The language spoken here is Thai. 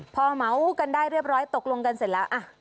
พอเหมากันได้เรียบร้อยตกลงกันเสร็จแล้ว